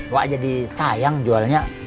wak jadi sayang jualnya